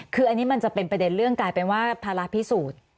คืออันนี้มันจะเป็นประเด็นเรื่องกลายเป็นว่าภาระพิสูจน์